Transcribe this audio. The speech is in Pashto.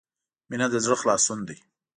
• مینه د زړۀ خلاصون دی.